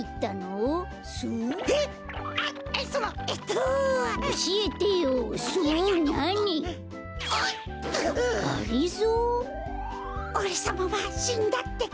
おれさまはしんだってか。